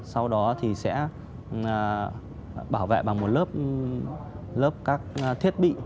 sau đó thì sẽ bảo vệ bằng một lớp các thiết bị